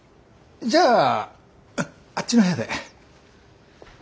じゃああっちの部屋で。